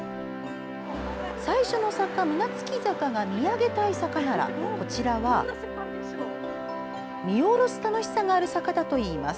最初の坂、胸突坂が見上げたい坂ならこちらは見下ろす楽しさがある坂だといいます。